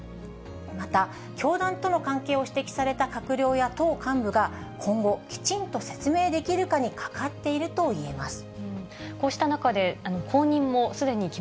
また、教団との関係を指摘された閣僚や党幹部が今後、きちんと説明できるのかにかかっているといえます。